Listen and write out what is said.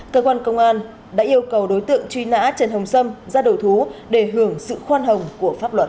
cơ quan công an đã yêu cầu đối tượng truy nã trần hồng sâm ra đầu thú để hưởng sự khoan hồng của pháp luật